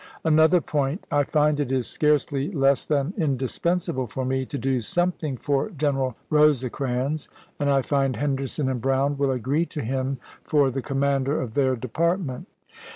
Another point. I find it is scarcely less than indispensable for me to do something for General Rose crans ; and I find Henderson and Brown will agree to him for the commander of their department.